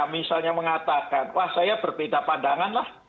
misalnya mengatakan wah saya berbeda pandangan lah